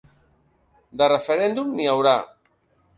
De referèndum, n’hi haurà.